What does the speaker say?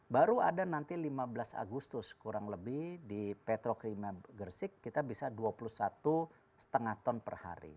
baru ada nanti lima belas agustus kurang lebih di petro krima gersik kita bisa dua puluh satu lima ton per hari